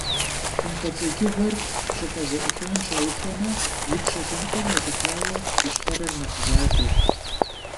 ХъумпӀэцӀэджыгъуэр щӀыпӀэ зэӀухам щаухуамэ, ипщэ лъэныкъуэм елъытауэ ищхъэрэр нэхъ задэщ.